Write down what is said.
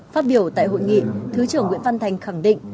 phát biểu tại hội nghị thứ trưởng nguyễn văn thành khẳng định